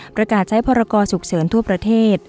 ประกาศใช้พรกรฉุกเฉินทั่วประเทศ